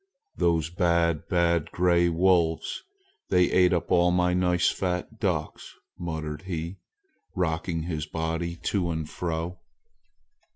"Those, bad, bad gray wolves! They ate up all my nice fat ducks!" muttered he, rocking his body to and fro.